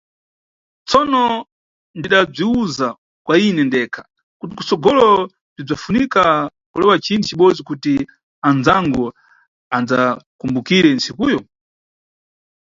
Tsono, ndidabziwuza kwa ine ndekha kuti kutsogoloko bzinidzafunika kulewa cinthu cibodzi kuti andzangu adzakumbukire ntsikuyo.